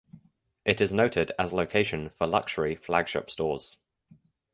It is noted as location for luxury flagship stores.